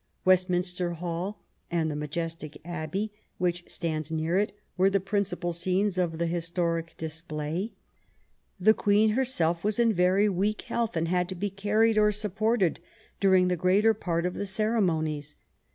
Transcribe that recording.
Westminster Hall, and the majestic Abbey which stands near it, were the prin cipal scenes of the historic display. The Queen her self was in very weak health and had to be carried or supported during the greater part of the ceremonies.